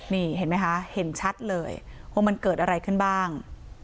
นี่เห็นไหมคะเห็นชัดเลยว่ามันเกิดอะไรขึ้นบ้าง